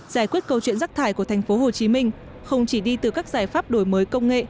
giải quyết câu chuyện rác thải của thành phố hồ chí minh không chỉ đi từ các giải pháp đổi mới công nghệ